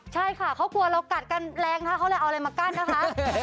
ใช่ค่ะเขากลัวเรากัดกันแรงถ้าเขาเลยเอาอะไรมากั้นนะคะ